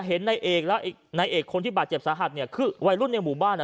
เห็นนายเอกแล้วอีกนายเอกคนที่บาดเจ็บสาหัสเนี่ยคือวัยรุ่นในหมู่บ้านอ่ะ